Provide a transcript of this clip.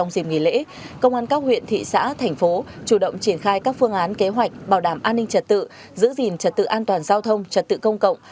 viện thị xã thành phố chủ động triển khai các phương án kế hoạch bảo đảm an ninh trật tự giữ gìn trật tự an toàn giao thông trật tự công cộng